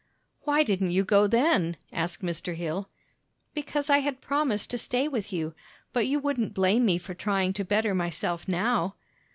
"Why didn't you go then?" asked Mr. Hill. "Because I had promised to stay with you; but you wouldn't blame me for trying to better myself now?"